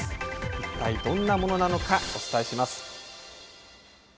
一体どんなものなのか、お伝えします。